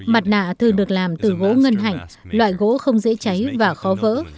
mặt nạ thường được làm từ gỗ ngân hạnh loại gỗ không dễ cháy và khó vỡ